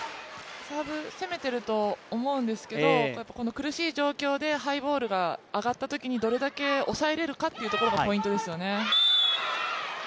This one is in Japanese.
サーブ攻めていると思うんですけれども、苦しい状況でハイボールが上がったときにどれだけ抑えられるかってところがポイントですよね。